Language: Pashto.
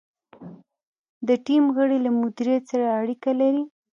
د ټیم غړي له مدیر سره اړیکې لري.